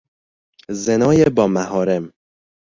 زنای با محارم